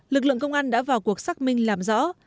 lực lượng công an đã vào cuộc xác minh làm rõ